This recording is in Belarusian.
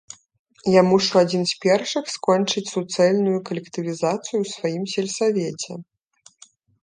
Я мушу адзін з першых скончыць суцэльную калектывізацыю ў сваім сельсавеце!